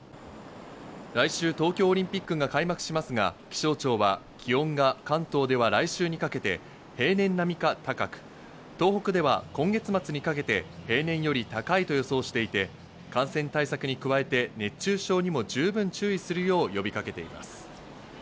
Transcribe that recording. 来週、東京オリンピックが開幕しますが、気象庁は気温が関東では来週にかけて平年並みか高く、東北では今月末にかけて平年より高いと予想していて感染症対策に加えて熱中症にも十分注意するよう呼びかけています。